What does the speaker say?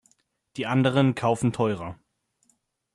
Die anderen kaufen teurer.